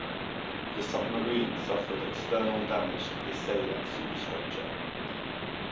The submarine suffered external damage to the sail and superstructure.